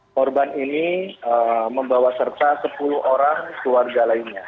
korban ini membawa serta sepuluh orang keluarga lainnya